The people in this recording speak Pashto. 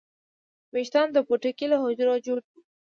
ویښتان د پوټکي له حجرو جوړ دي